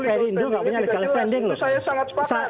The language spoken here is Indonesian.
peri indopakan itu saya sangat sepakat